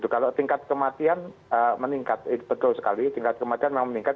kalau tingkat kematian meningkat betul sekali tingkat kematian memang meningkat